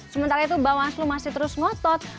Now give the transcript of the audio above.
sementara itu bawah lu masih terus ngotot